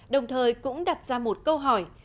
đồng thời cũng đặt ra một câu hỏi